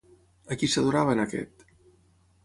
A qui s'adorava en aquest?